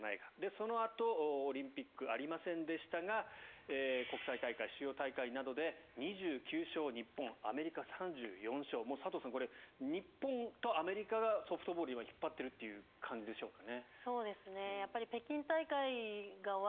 そのあとオリンピックありませんでしたが国際大会、主要大会などで２９勝、日本アメリカは３４勝佐藤さん、これは日本とアメリカがソフトボールを引っ張ってるという感じでしょうかね。